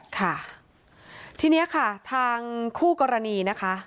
ค่ะทีนี้ค่ะทางคู่กรณีนะคะ